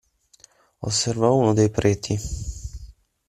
Osservò uno dei preti.